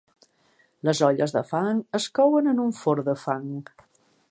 Les olles de fang es couen en un forn de fang.